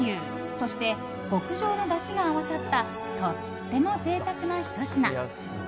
そして、極上のだしが合わさったとても贅沢なひと品。